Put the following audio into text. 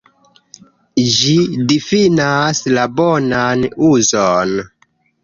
Ĝi difinas la "bonan uzon".